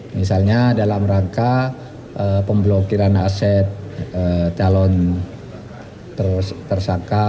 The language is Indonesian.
misalnya dalam rangka pemblokiran aset calon tersangka